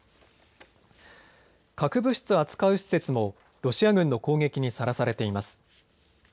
核物質を扱う施設もロシア軍の攻撃にさらされています。